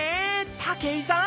武井さん